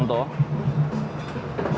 salah satu fakta